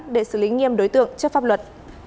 để xử lý nghiêm đối tượng trước pháp luật